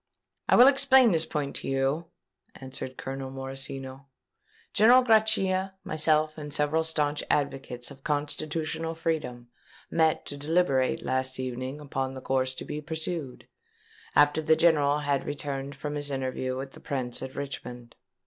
"I will explain this point to you," answered Colonel Morosino. "General Grachia, myself, and several stanch advocates of constitutional freedom, met to deliberate last evening upon the course to be pursued, after the General had returned from his interview with the Prince at Richmond.